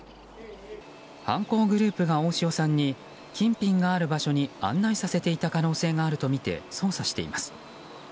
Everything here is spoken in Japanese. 犯行グループが大塩さんに金品がある場所に案内させていた可能性があるとみて捜査しています。